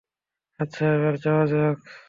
আচ্ছা, এবার যাওয়া যাক।